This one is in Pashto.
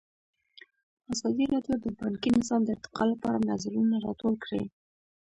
ازادي راډیو د بانکي نظام د ارتقا لپاره نظرونه راټول کړي.